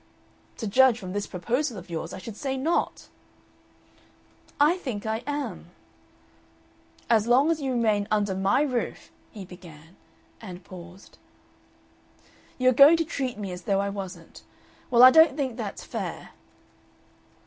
"To judge from this proposal of yours, I should say not." "I think I am." "As long as you remain under my roof " he began, and paused. "You are going to treat me as though I wasn't. Well, I don't think that's fair."